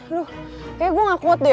aduh kayaknya gue gak kuat deh